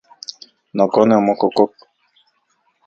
Nokone omokokok.